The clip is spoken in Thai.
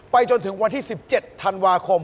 จนถึงวันที่๑๗ธันวาคม